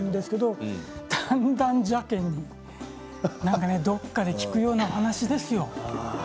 最初、だんだん邪険にねどこかで聞くような話ですよ。